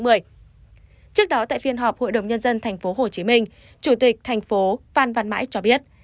trước đó tại phiên họp hội đồng nhân dân tp hcm chủ tịch thành phố phan văn mãi cho biết